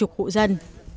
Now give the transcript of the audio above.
hàng chục hộ dân